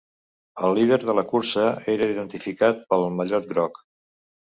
El líder de la cursa era identificat pel mallot groc.